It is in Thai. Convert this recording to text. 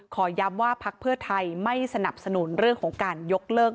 ขอย้ำว่าพักเพื่อไทยไม่สนับสนุนเรื่องของการยกเลิก